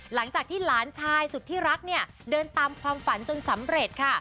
หลังจากที่หลานชายสุดที่รักเนี่ยเดินตามความฝันจนสำเร็จค่ะ